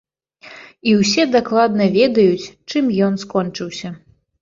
І ўсе дакладна ведаюць, чым ён скончыўся.